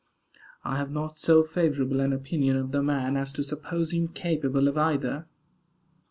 I have not so favorable an opinion of the man as to suppose him capable of either.